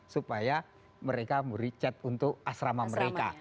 supaya mereka memberi chat untuk asrama mereka